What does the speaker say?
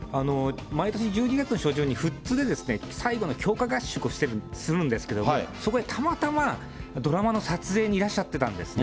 毎年１２月初旬に富津で最後の強化合宿をするんですけれども、そこにたまたま、ドラマの撮影にいらっしゃってたんですね。